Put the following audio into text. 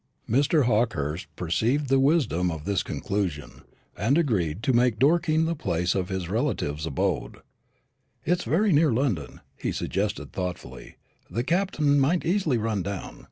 Mr. Hawkehurst perceived the wisdom of this conclusion, and agreed to make Dorking the place of his relative's abode. "It's very near London," he suggested thoughtfully; "the Captain might easily run down."